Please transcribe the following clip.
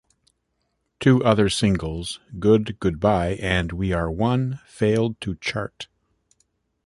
Two other singles, "Good Goodbye" and "We Are One" failed to chart.